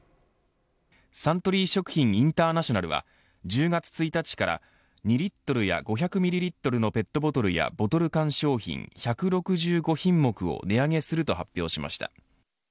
サントリー食品インターナショナルは１０月１日から２リットルや５００ミリリットルのペットボトルやボトル缶商品１６５品目を値上げすると発表しました。